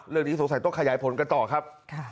เรื่องนี้สงสัยต้องขยายผลกันต่อครับ